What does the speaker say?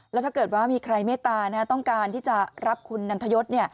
แล้วถ้าเกิดว่ามีใครเมตตาต้องการที่จะรับคุณนันทยศ